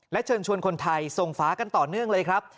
เชิญชวนคนไทยส่งฝากันต่อเนื่องเลยครับ